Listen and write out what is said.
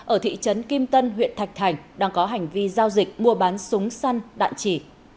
ở thị trấn kim tân huyện thạch thành đang có hành vi giao dịch mua bán súng săn đạn chỉ